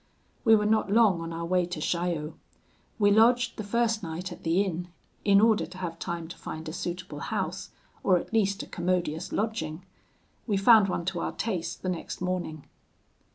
"We were not long on our way to Chaillot. We lodged the first night at the inn, in order to have time to find a suitable house, or at least a commodious lodging. We found one to our taste the next morning.